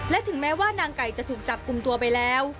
และถึงแม้ว่านางไก่จะถูกจับกลุ่มตัวไปแล้ว